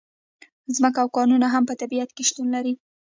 ځمکه او کانونه هم په طبیعت کې شتون لري.